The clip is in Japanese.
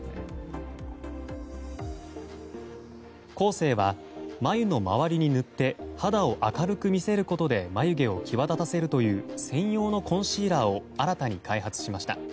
コーセーは眉の周りに塗って肌を明るく見せることで眉毛を際立たせるという専用のコンシーラーを新たに開発しました。